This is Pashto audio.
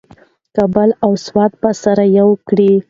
کابل او سوات به سره یو کړو.